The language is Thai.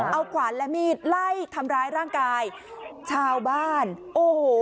เอาขวานและมีดไล่ทำร้ายร่างกายชาวบ้านโอ้โห